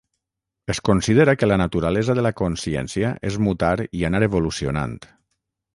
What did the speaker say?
Es considera que la naturalesa de la consciència és mutar i anar evolucionant.